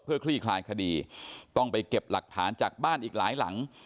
คลี่คลายคดีต้องไปเก็บหลักฐานจากบ้านอีกหลายหลัง